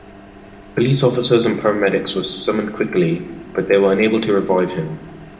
Police officers and paramedics were summoned quickly, but they were unable to revive him.